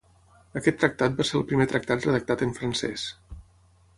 Aquest tractat va ser el primer tractat redactat en francès.